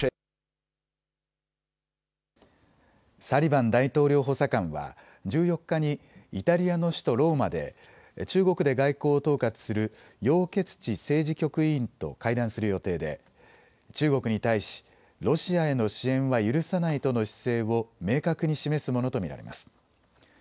サリバン大統領補佐官は１４日にイタリアの首都ローマで中国で外交を統括する楊潔チ政治局委員と会談する予定で中国に対しロシアへの支援は許さないとの姿勢を明確に示すものと見られます。